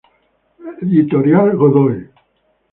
Editorial Godoy.